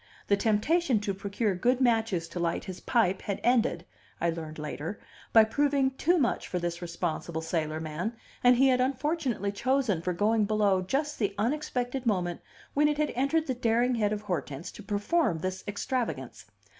The temptation to procure good matches to light his pipe had ended (I learned later) by proving too much for this responsible sailor man, and he had unfortunately chosen for going below just the unexpected moment when it had entered the daring head of Hortense to perform this extravagance.